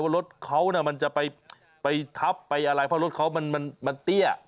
รถเขามันจะไปทับไปอะไรเพราะรถเขามันเตี้ย